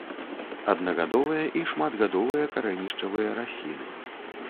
Аднагадовыя і шматгадовыя карэнішчавыя расліны.